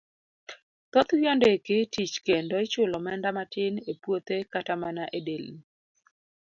Thoth gi ondiki tich kendo ichulo omenda matin e puothe kata mana e delni.